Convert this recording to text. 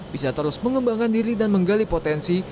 bisa terus mengembangkan diri dan menggali potensi